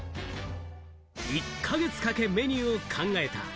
１か月かけメニューを考えた。